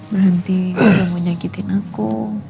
berhenti tidak mau menyakitin aku